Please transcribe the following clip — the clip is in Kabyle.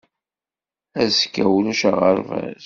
Azekka ulac aɣerbaz.